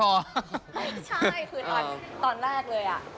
ไม่ใช่คือตอนตอนแรกเลยอ่ะ